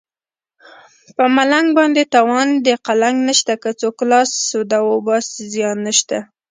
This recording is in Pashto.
په ملنګ باندې تاوان د قلنګ نشته که څوک لاس سوده وباسي زیان نشته